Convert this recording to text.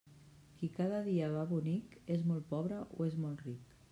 Qui cada dia va bonic és molt pobre o és molt ric.